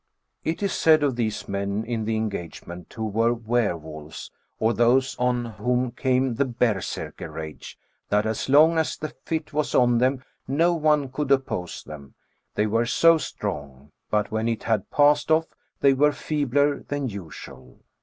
"It is said of these men in the engagement who were were wolves, or those on whom came the berserkr rage, that as long as the fit was on them no one could oppose them, they were so strong; but when it had passed off they were feebler than usual.